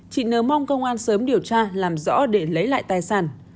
chị nờ mong công an sớm điều tra làm rõ để lấy lại tài sản